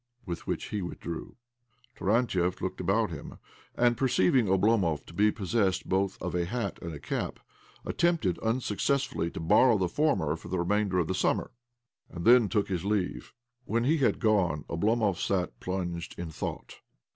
With which he with drew. Taxantiev looked about him, and, per ceiving Oblomov to be possessed both of a hat and a cap, attempted unsuccessfully to borrow the former for the remainder of the summer, and then took his leave. When he had gone Oblomov gat plunged in thought.